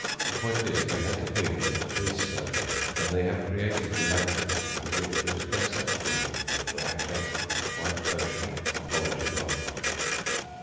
The point is, they have the feeling that it is so, and they have created the language with which to express that feeling—"black jack," "white potion," "polishing off."